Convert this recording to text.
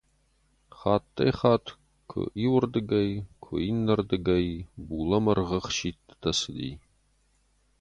Хаттӕй-хатт куы иуӕрдыгӕй, куы иннӕрдыгӕй булӕмӕргъы ӕхситтытӕ цыди.